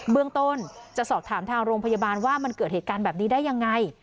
เบื้องต้นจะสอบถามทางโรงพยาบาลว่ามันเกิดเหตุการณ์แบบนี้ได้ยังไง